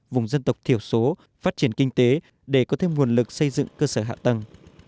vùng dân tộc thiểu số phát triển kinh tế để có thêm nguồn lực xây dựng cơ sở hạ tầng